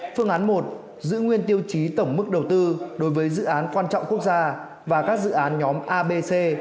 phương án một giữ nguyên tiêu chí tổng mức đầu tư đối với dự án quan trọng quốc gia và các dự án nhóm abc